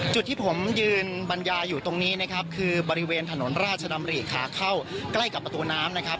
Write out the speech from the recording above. จุดที่ผมยืนบรรยาอยู่ตรงนี้นะครับคือบริเวณถนนราชดำริขาเข้าใกล้กับประตูน้ำนะครับ